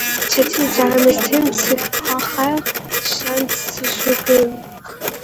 Чэтыу зэрымысым, цыгъохэр щэджэгух